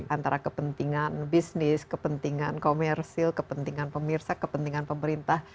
antara kepentingan bisnis kepentingan komersil kepentingan pemirsa kepentingan pemerintah